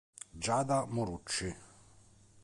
Giada Morucci